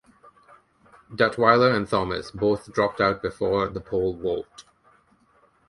Duttweiler and Thomas both dropped out before the pole vault.